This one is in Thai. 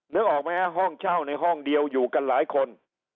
นึกออกไหมฮะห้องเช่าในห้องเดียวอยู่กันหลายคน